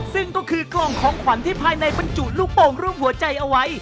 ซึ่งก็คือกล่องของขวัญที่ภายในบรรจุลูกโป่งรูปหัวใจเอาไว้